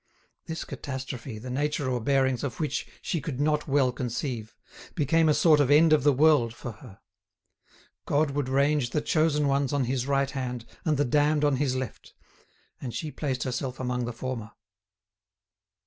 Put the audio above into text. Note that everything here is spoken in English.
This catastrophe, the nature or bearings of which she could not well conceive became a sort of end of the world for her. God would range the chosen ones on His right hand and the damned on His left, and she placed herself among the former.